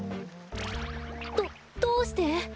どどうして！？